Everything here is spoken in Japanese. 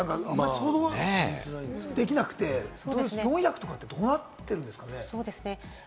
想像できなくて、４００ってどうなってるんですかね？